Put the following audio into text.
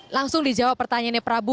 langsung dijawab pertanyaannya prabu